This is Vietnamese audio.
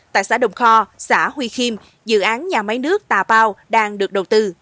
tại xã đồng kho xã huy khiêm dự án nhà máy nước tà pao đang được đầu tư